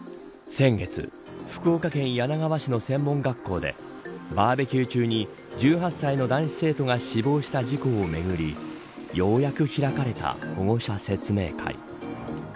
先月、福岡県柳川市の専門学校でバーベキュー中に１８歳の男子生徒が死亡した事故をめぐりようやく開かれた保護者説明会。